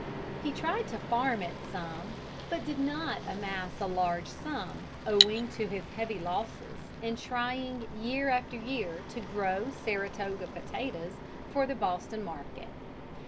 ] He tried to farm it some, but did not amass a large sum, owing to his heavy losses in trying year after year to grow Saratoga potatoes for the Boston market.